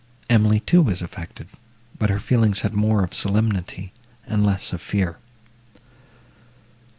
Emily too was affected, but her feelings had more of solemnity, and less of fear.